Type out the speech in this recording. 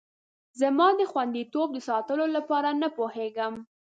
زه د خوندیتوب د ساتلو لپاره نه پوهیږم.